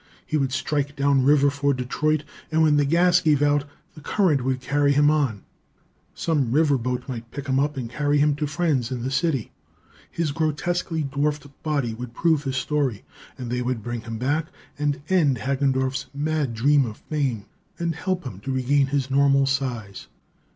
He would strike down river for Detroit, and when the gas gave out, the current would carry him on. Some river boat might pick him up and carry him to friends in the city. His grotesquely dwarfed body would prove his story, and they would bring him back and end Hagendorff's mad dream of fame, and help him to regain his normal size.